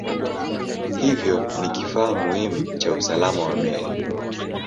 Hivyo ni kifaa muhimu cha usalama wa meli.